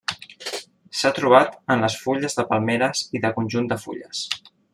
S'ha trobat en les fulles de palmeres i de conjunt de fulles.